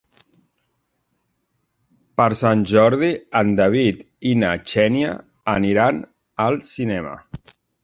Per Sant Jordi en David i na Xènia aniran al cinema.